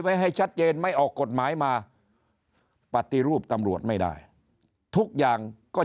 ให้ชัดเจนไม่ออกกฎหมายมาปฏิรูปตำรวจไม่ได้ทุกอย่างก็จะ